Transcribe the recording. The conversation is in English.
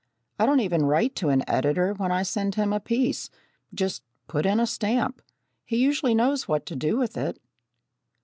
I don't even write to an editor when I send him a piece just put in a stamp. He usually knows what to do with it.